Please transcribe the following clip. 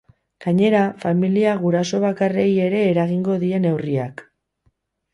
Gainera, familia gurasobakarrei ere eragingo die neurriak.